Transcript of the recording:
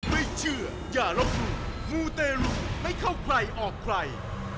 ไม่เชื่ออย่าลบหลู่มูเตรุไม่เข้าใครออกใคร